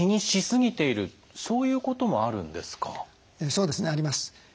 そうですねあります。